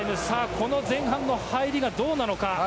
この前半の入りがどうなのか。